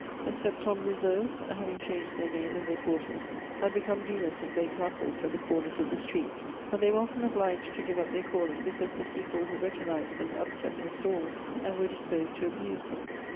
The Septembriseurs, having changed their name and their quarters, had become dealers in baked apples at the comers of the streets ; but they were often obliged to give up their calling, because the people, who recog nised them, upset their stalls, and were disposed to abuse them.